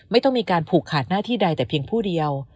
ไม่ต้องมีการผูกขาดหน้าที่ใดแต่เพียงผู้เดียว